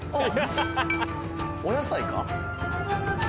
お野菜か？